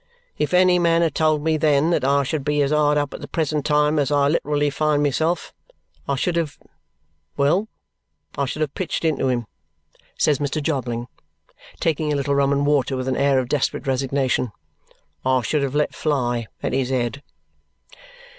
If any man had told me then that I should be as hard up at the present time as I literally find myself, I should have well, I should have pitched into him," says Mr. Jobling, taking a little rum and water with an air of desperate resignation; "I should have let fly at his head."